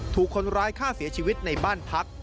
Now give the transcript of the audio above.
ถูกคนร้ายฆ่าเสียชีวิตในบ้านพัก